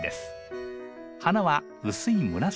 花は薄い紫色。